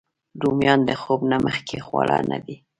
رومیان د خوب نه مخکې خواړه نه دي